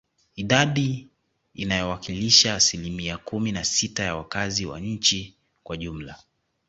Idadi inayowakilisha asilimia kumi na sita ya wakazi wa nchi kwa ujumla